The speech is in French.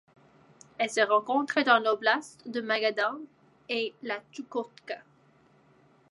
Elle se rencontre dans l'Oblast de Magadan et la Tchoukotka.